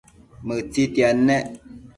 Mëtsitiad nec